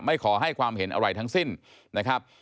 ขอให้ความเห็นอะไรทั้งสิ้นนะครับ